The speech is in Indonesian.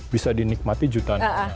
bisa dinikmati jutaan